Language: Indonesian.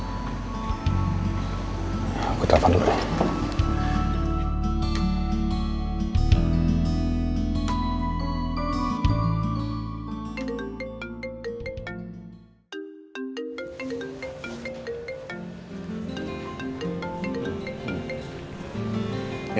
sampai jumpa di video selanjutnya